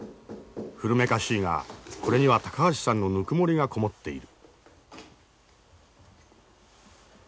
古めかしいがこれには高橋さんのぬくもりがこもっている。